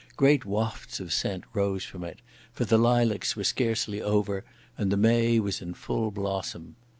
Great wafts of scent rose from it, for the lilacs were scarcely over and the may was in full blossom.